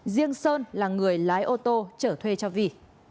riêng sơn là người lái ô tô trở thuê cho vỉ